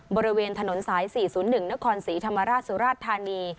บริเวณถนนสาย๔๐๑นครศรีธรรมราชสุราชธานี